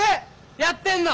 やってんの！